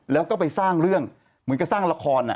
แล้วก็ไปสร้างเรื่องเหมือนกับสร้างละคร